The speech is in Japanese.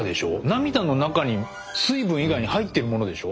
涙の中に水分以外に入ってるものでしょ？